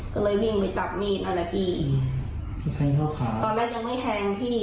ก็เลยวิ่งไปจับมีดอะไรพี่ตอนแรกยังไม่แทงพี่